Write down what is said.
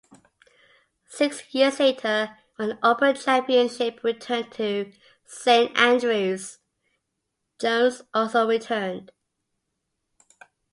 Six years later, when the Open Championship returned to Saint Andrews, Jones also returned.